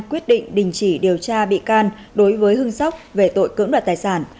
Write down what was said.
quyết định đình chỉ điều tra bị can đối với hưng sóc về tội cưỡng đoạt tài sản